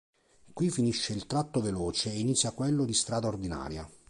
Qui finisce il tratto veloce e inizia quello di strada ordinaria.